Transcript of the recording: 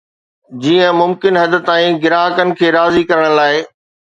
جيئن ممڪن حد تائين گراهڪن کي راضي ڪرڻ لاء